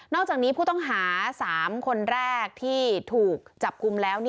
อกจากนี้ผู้ต้องหา๓คนแรกที่ถูกจับกลุ่มแล้ว